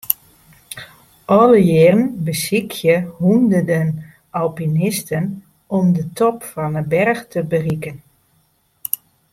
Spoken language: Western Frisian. Alle jierren besykje hûnderten alpinisten om de top fan 'e berch te berikken.